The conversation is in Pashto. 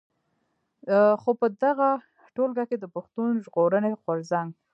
خو په دغه ټولګه کې د پښتون ژغورني غورځنګ.